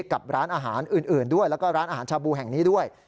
กับร้านอาหารอื่นด้วยแล้วก็ร้านอาหารชาบูแห่งนี้ด้วย